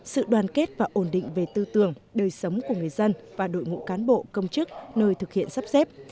sự đoàn kết và ổn định về tư tưởng đời sống của người dân và đội ngũ cán bộ công chức nơi thực hiện sắp xếp